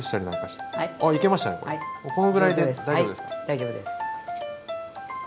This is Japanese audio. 大丈夫です。